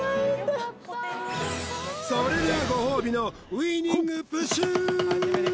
それではご褒美のウイニングプシュー！